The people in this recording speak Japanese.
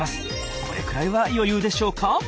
これくらいは余裕でしょうか。